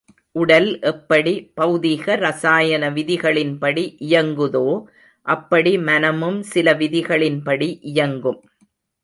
உடல் எப்படி பெளதிக ரசாயன விதிகளின்படி இயங்குதோ, அப்படி மனமும் சில விதிகளின்படி இயங்கும்.